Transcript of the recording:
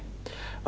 và đặc biệt là